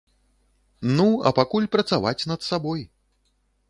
Ну, а пакуль працаваць над сабой.